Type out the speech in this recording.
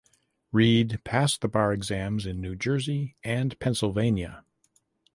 Reid passed the bar exams in New Jersey and Pennsylvania.